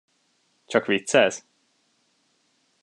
Csak viccelsz?